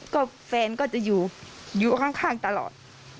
ก็แฟนก็จะอยู่อยู่ข้างตลอด